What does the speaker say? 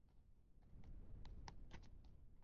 飞机坠毁后不久黑匣子已经找到。